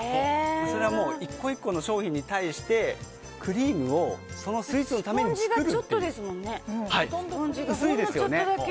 それはもう１個１個の商品に対してクリームをそのスイーツのために作るという。